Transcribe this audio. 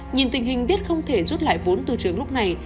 nhìn tình hình biết không thể rút lại vốn tu trường lúc này